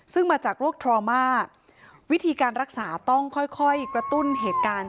ซึ่งมาจากโรคทรามาวิธีการรักษาต้องค่อยกระตุ้นเหตุการณ์